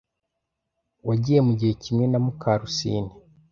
Wagiye mugihe kimwe na Mukarusine